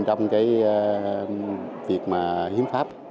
trong việc hiếm pháp